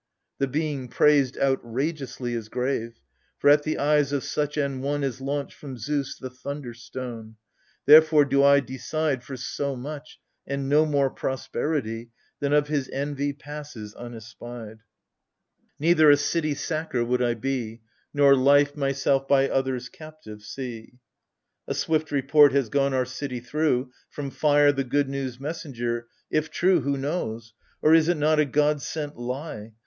The being praised outrageously Is grave, for at the eyes of such an one Is launched, from Zeus, the thunder stone. Therefore do I decide For so much and no more prosperity Than of his envy passes unespied. 40 AGAMEMNON. Neither a city sacker would I be, Nor life, myself by others captive, see. A swift report has gone our city through, From fire, the good news messenger : if tme. Who knows ? Or is it not a god sent lie?